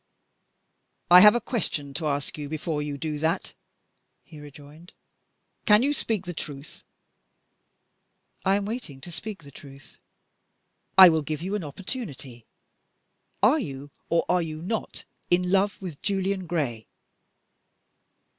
"I have a question to ask you before you do that," he rejoined. "Can you speak the truth?" "I am waiting to speak the truth." "I will give you an opportunity. Are you or are you not in love with Julian Gray?"